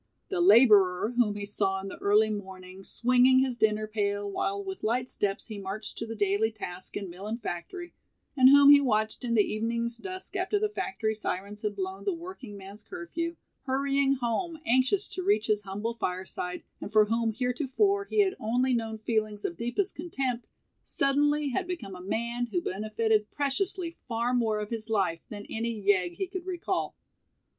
The laborer whom he saw in the early morning swinging his dinner pail while with light steps he marched to the daily task in mill and factory, and whom he watched in the evening's dusk after the factory sirens had blown the working man's curfew, hurrying home anxious to reach his humble fireside, and for whom heretofore he had only known feelings of deepest contempt, suddenly had become a man who benefitted preciously far more of his life than any yegg he could recall.